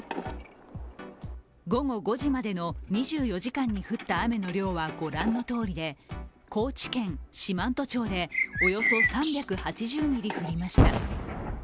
午後５時までの２４時間に降った雨の量は御覧のとおりで高知県四万十町でおよそ３８０ミリ降りました。